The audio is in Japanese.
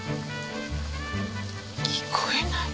聞こえない？